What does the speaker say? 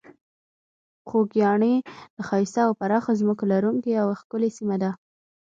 خوږیاڼي د ښایسته او پراخو ځمکو لرونکې یوه ښکلې سیمه ده.